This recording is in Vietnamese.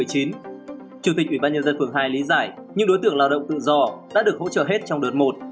chủ tịch ủy ban nhân dân phường hai lý giải những đối tượng lao động tự do đã được hỗ trợ hết trong đợt một